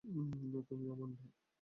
তুমি, আমান্ডা?